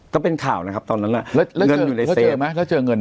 ก็เป็นข่าวนะครับตอนนั้นล่ะเงินอยู่ในเซฟ